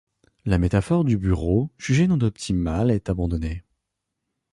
La métaphore du bureau, jugée non optimale, est abandonnée.